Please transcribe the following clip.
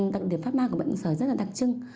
đặc điểm phát ma của bệnh sởi rất là đặc trưng